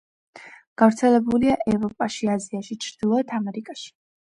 გავრცელებულია ევროპაში, აზიაში, ჩრდილოეთ ამერიკაში.